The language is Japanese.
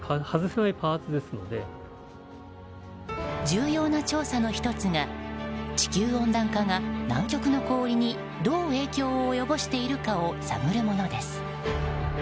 重要な調査の１つが地球温暖化が南極の氷にどう影響を及ぼしているかを探るものです。